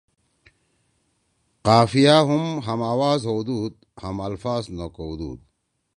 قافیہ ہُم ہم آواز ہؤدُود ہم الفاظ نہ کؤدُود۔